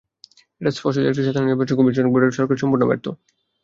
এটা স্পষ্ট যে, একটি স্বাধীন নির্বাচন কমিশন গঠনের ব্যাপারে সরকার সম্পূর্ণ ব্যর্থ।